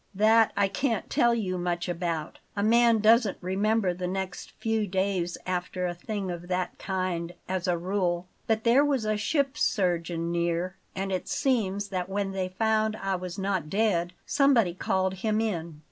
"That I can't tell you much about; a man doesn't remember the next few days after a thing of that kind, as a rule. But there was a ship's surgeon near, and it seems that when they found I was not dead, somebody called him in.